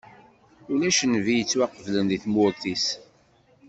Ulac nnbi yettwaqeblen di tmurt-is.